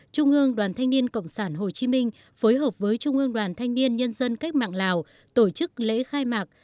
trung ương đoàn thanh niên cộng sản hồ chí minh phối hợp với trung ương đoàn thanh niên nhân dân cách mạng lào tổ chức lễ khai mạc